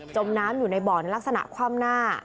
มน้ำอยู่ในบ่อนลักษณะคว่ำหน้า